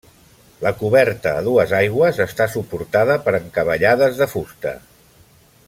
La coberta a dues aigües està suportada per encavallades de fusta.